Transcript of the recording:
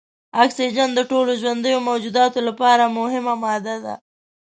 اکسیجن د ټولو ژوندیو موجوداتو لپاره مهمه ماده ده.